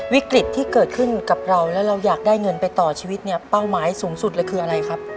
วิกฤตที่เกิดขึ้นกับเราแล้วเราอยากได้เงินไปต่อชีวิตเนี่ยเป้าหมายสูงสุดเลยคืออะไรครับ